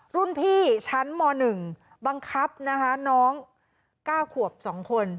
รุ่นพี่ชั้นม๑บังคับนะคะน้อง๙ขวบ๒คน